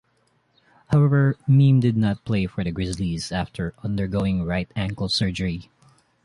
However, Mihm did not play for the Grizzlies after undergoing right ankle surgery.